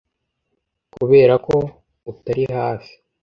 'kuberako utari hafi